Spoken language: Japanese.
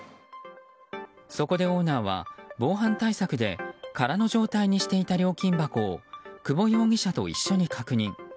そこでオーナーは、防犯対策で空の状態にしていた料金箱を久保容疑者と一緒に確認。